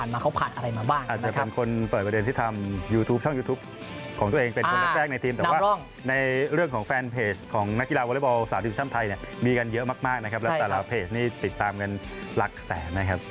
และแต่ละเพจนี้ติดตามกันหลักแสนนะครับ